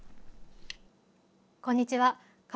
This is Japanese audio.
こんにちは。